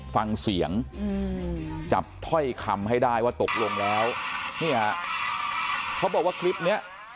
ฟังเสียงจับถ้อยคำให้ได้ว่าตกลงแล้วเนี่ยเขาบอกว่าคลิปนี้